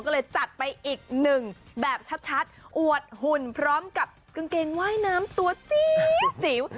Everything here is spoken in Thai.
ก็เลยจัดไปอีกหนึ่งแบบชัดอวดหุ่นพร้อมกับกางเกงว่ายน้ำตัวจิ๋ว